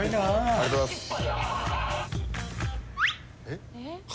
ありがとうございます。